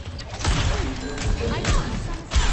Vincent College.